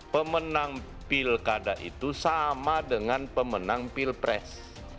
pemenang pilkada itu sama dengan pemenang pilpres